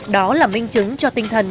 đó là minh chứng cho tinh thần